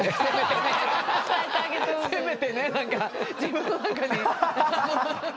せめてねなんか自分の中に。